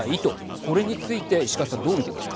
これについて石川さんどう見ていますか。